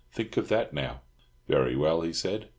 Think of that, now." "Very well," he said.